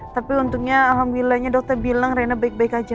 tapi untungnya alhamdulillahnya dokter bilang rena baik baik aja